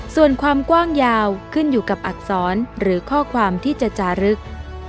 ส่วนความกว้างยาวขึ้นอยู่กับอักษรหรือข้อความที่จะจารึก